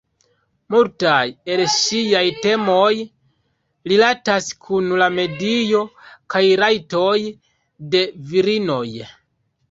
Multaj el ŝiaj temoj rilatas kun la medio kaj la rajtoj de virinoj.